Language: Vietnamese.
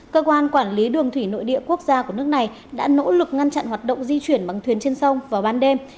cơ quan quản lý đường thủy nội địa quốc gia của nước này đã nỗ lực ngăn chặn hoạt động di chuyển bằng thuyền trên sông vào ban đêm